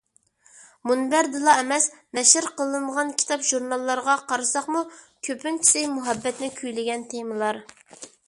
مۇنبەردىلا ئەمەس، نەشر قىلىنغان كىتاب-ژۇرناللارغا قارىساقمۇ، كۆپىنچىسى مۇھەببەتنى كۈيلىگەن تېمىلار.